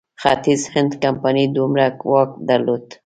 ختیځ هند کمپنۍ دومره واک درلود.